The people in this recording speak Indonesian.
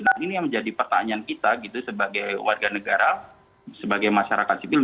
nah ini yang menjadi pertanyaan kita gitu sebagai warga negara sebagai masyarakat sipil